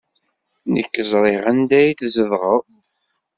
Nekk ẓriɣ anda ay tzedɣeḍ.